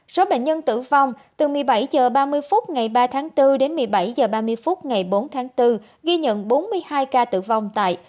số bệnh nhân tử vong từ một mươi bảy h ba mươi phút ngày ba tháng bốn đến một mươi bảy h ba mươi phút ngày bốn tháng bốn ghi nhận bốn mươi hai ca tử vong tại